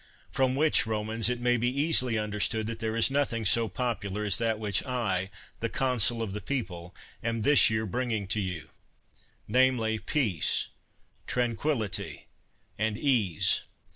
From which, Eomans, it may be easily understood that there is nothing so popular, as that which I, the consul of the people, am this year bringing to you; namely, peace, tranquillity and ease.